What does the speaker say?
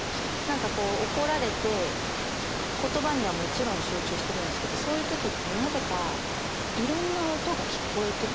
何かこう怒られて言葉にはもちろん集中してるんですけどそういう時ってなぜか分かる。